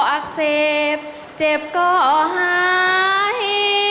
อักเสบเจ็บก็หาย